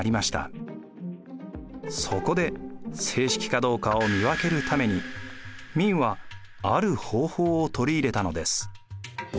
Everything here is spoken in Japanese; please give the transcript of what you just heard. そこで正式かどうかを見分けるために明はある方法を取り入れたのです。